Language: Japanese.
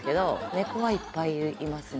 ネコはいっぱいいますね。